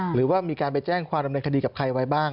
หรือว่ามีการไปแจ้งความดำเนินคดีกับใครไว้บ้าง